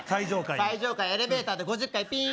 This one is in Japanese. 最上階エレベーターで５０階ピーン